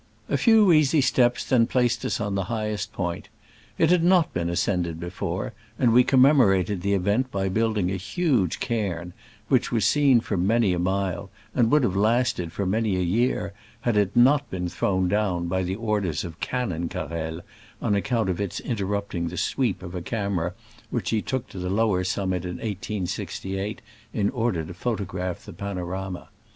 A few easy ^eps then placed us on the highest point. It had not been ascended before, and we com memorated the event by building a huge cairn, which was seen for many a mile, and would have lasted for many a year had it not been thrown down by the orders of Canon Carrel, on ac count of its interrupting the sweep of a camera which he took to the lower sum mit in 1868 in order to photograph the panorama.